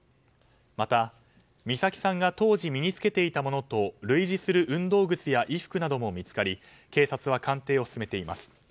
また、美咲さんが当時身に着けていたものと類似する運動靴や衣服なども見つかり警察は鑑定を進めています。